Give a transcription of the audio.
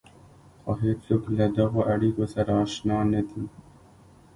خو هېڅوک له دغو اړيکو سره اشنا نه دي.